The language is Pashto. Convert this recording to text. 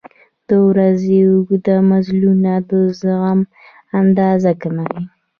• د ورځې اوږده مزلونه د زغم اندازه کوي.